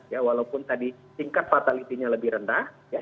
ya walaupun tadi tingkat fatality nya lebih rendah